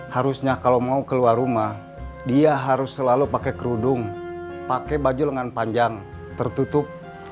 harusnya kalau mau keluar rumah dia harus selalu pakai kerudung pakai baju lengan panjang tertutup